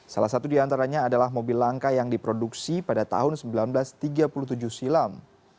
salah satu diantaranya adalah mobil langka yang diproduksi pada tahun seribu sembilan ratus tiga puluh tujuh silam